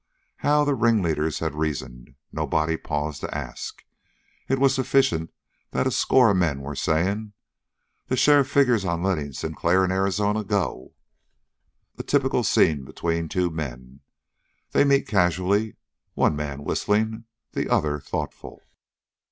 How the ringleaders had reasoned, nobody paused to ask. It was sufficient that a score of men were saying: "The sheriff figures on letting Sinclair and Arizona go." A typical scene between two men. They meet casually, one man whistling, the other thoughtful.